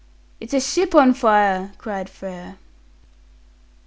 "It's a ship on fire," cried Frere.